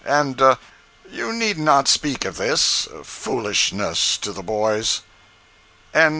And—you need not speak of this—foolishness to the boys." 069.